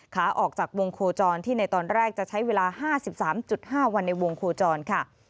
ขาออกจากวงโคจรที่ในตอนแรกจะใช้เวลา๕๓๕วันในวงโคจรค่ะ